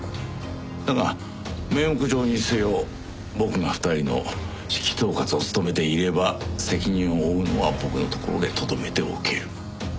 だが名目上にせよ僕が２人の指揮統括を務めていれば責任を負うのは僕のところでとどめておける。